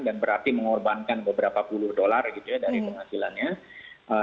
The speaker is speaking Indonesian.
dan berarti mengorbankan beberapa puluh dolar gitu ya dari penghasilan mereka